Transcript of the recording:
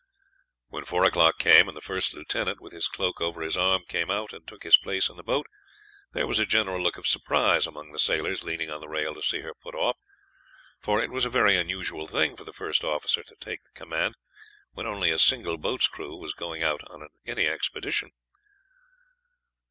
When four o'clock came, and the first lieutenant, with his cloak over his arm, came out and took his place in the boat, there was a general look of surprise among the sailors leaning on the rail to see her put off, for it was a very unusual thing for the first officer to take the command when only a single boat's crew were going out on any expedition.